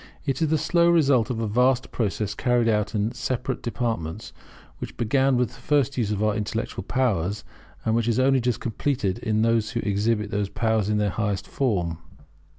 It is the slow result of a vast process carried out in separate departments, which began with the first use of our intellectual powers, and which is only just completed in those who exhibit those powers in their highest form.